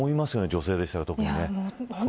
女性でしたら特にね。